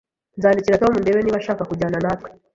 Nzandikira Tom ndebe niba ashaka kujyana natwe